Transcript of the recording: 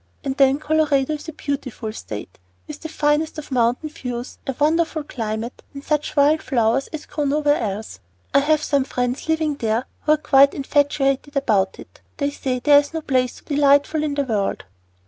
And then Colorado is a beautiful State, with the finest of mountain views, a wonderful climate, and such wild flowers as grow nowhere else. I have some friends living there who are quite infatuated about it. They say there is no place so delightful in the world."